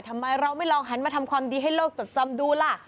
ทำไมเราไม่ลองหันมาทำความดีให้โลกจดจำดูล่ะ